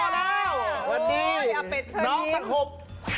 สวัสดีน้องตะครบ